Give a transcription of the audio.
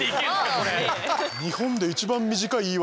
これ。